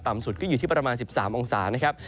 สุดก็อยู่ที่ประมาณ๑๓องศานะครับ